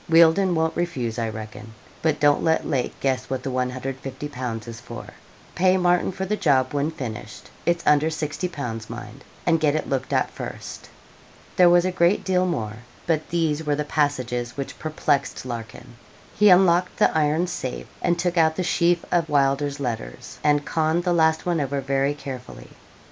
Wealdon won't refuse, I reckon but don't let Lake guess what the 150_l._ is for. Pay Martin for the job when finished; it is under 60_l._. mind; and get it looked at first.' There was a great deal more, but these were the passages which perplexed Larkin. He unlocked the iron safe, and took out the sheaf of Wylder's letters, and conned the last one over very carefully.